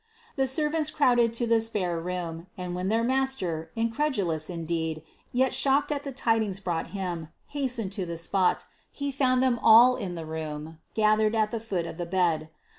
The servants crowded to the spare room, and when their master, incredulous indeed, yet shocked at the tidings brought him, hastened to the spot, he found them all in the room, gathered at the foot of the bed.